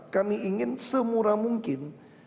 kami ingin semurah mungkin